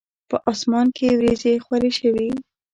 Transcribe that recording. په اسمان کې وریځي خوری شوی